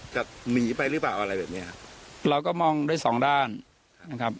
จะหนีไปหรือเปล่าอะไรแบบเนี้ยครับเราก็มองได้สองด้านนะครับ